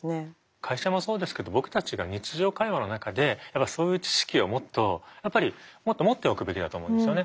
会社もそうですけど僕たちが日常会話の中でそういう知識をもっとやっぱりもっと持っておくべきだと思うんですよね。